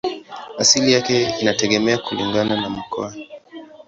Asili yake inategemea kulingana na mkoa.